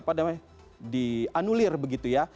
apa namanya dianulir begitu ya